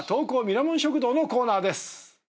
ミラモン食堂のコーナーです。